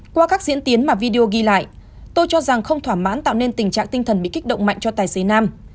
qua các diễn tiến mà video ghi lại tôi cho rằng không thỏa mãn tạo nên tình trạng tinh thần bị kích động mạnh cho tài xế nam